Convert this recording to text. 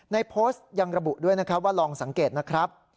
ในโพสต์ยังระบุด้วยนะครับว่าลองสังเกตนะครับ